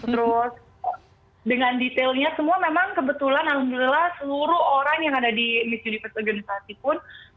terus dengan detailnya semua memang kebetulan alhamdulillah seluruh orang yang ada di miss universe organisasi pun